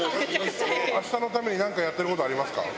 あしたのためになんかやっていることありますか？